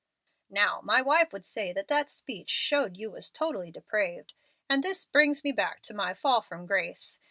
"Now my wife would say that that speech showed you was 'totally depraved.' And this brings me back to my 'fall from grace.'